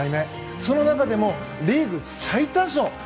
その中でも、リーグ最多勝。